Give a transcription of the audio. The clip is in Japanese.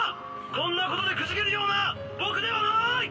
こんなことでくじけるような僕ではない！